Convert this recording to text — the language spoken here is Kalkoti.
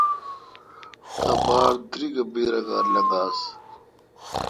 تا باڑ دریک اے° بدراگار لنگاس۔